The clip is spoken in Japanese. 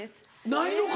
ないのか。